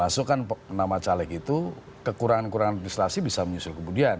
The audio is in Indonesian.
dan dimasukkan nama caleg itu kekurangan kurangan administrasi bisa menyusul kemudian